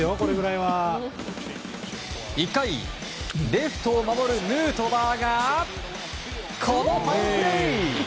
１回、レフトを守るヌートバーがこのファインプレー！